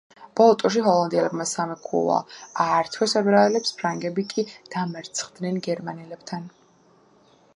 ბოლო ტურში ჰოლანდიელებმა სამი ქულა აართვეს ებრაელებს, ფრანგები კი დამარცხდნენ გერმანელებთან.